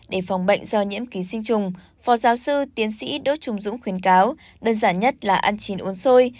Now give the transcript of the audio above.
để phòng bệnh do nhiễm ký sinh trùng phó giáo sư tiến sĩ đỗ trung dũng khuyến cáo đơn giản nhất là ăn chín uống xôi